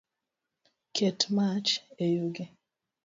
Ket mach e yugi